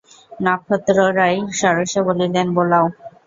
নক্ষত্ররায় সরোষে বলিলেন, বোলাও।